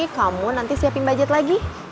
kamu nanti siapin budget lagi